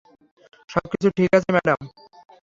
সবকিছু ঠিক আছে, ম্যাডাম।